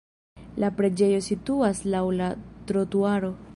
La preĝejo situas laŭ la trotuaro.